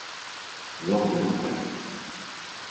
Lors de l'Impact!